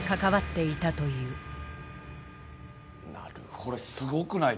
これすごくないですか？